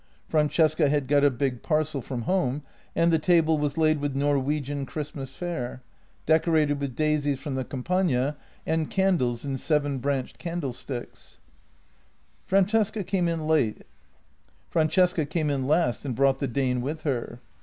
Francesca had got a big parcel from home, and the table was laid with Norwegian Christmas fare, decorated with daisies from the Campagna and candles in seven branched candlesticks. Francesca came in last and brought the Dane with her.